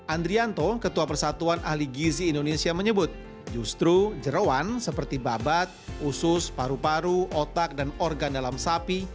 andrianto ketua persatuan ahli gizi indonesia menyebut justru jerawan seperti babat usus paru paru otak dan organ dalam sapi